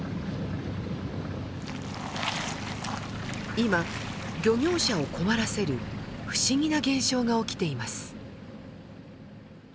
今漁業者を困らせる不思議な現象が起きています。